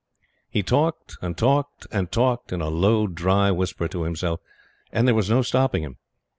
He talked, and talked, and talked in a low dry whisper to himself, and there was no stopping him.